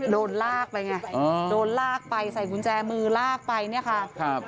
โดนลากไปไงโดนลากไปใส่กุญแจมือลากไปเนี่ยค่ะครับ